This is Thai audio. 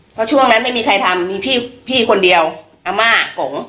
เพราะช่วงนั้นไม่มีใครทำมีพี่คนเดียวอาม่ากง